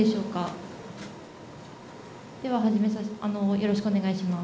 よろしくお願いします。